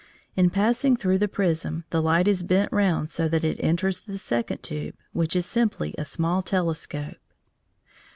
In passing through the prism, the light is bent round so that it enters the second tube, which is simply a small telescope.